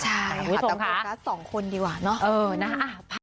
ใช่หาตำรวจกับสองคนดีกว่าเนาะ